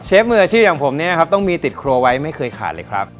เชฟมืออาชีพอย่างผมต้องมีติดครัวไว้ไม่เคยขาดเลยครับ